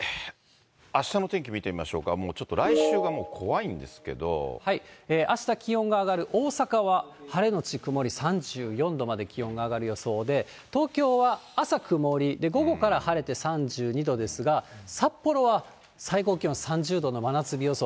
あしたの天気見てみましょうか、ちょっと来週が怖いんですけあした気温が上がる、大阪は晴れのち曇り３４度まで気温が上がる予想で、東京は朝曇り、午後から晴れて３２度ですが、札幌は最高気温３０度の真夏日予想。